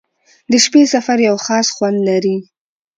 • د شپې سفر یو خاص خوند لري.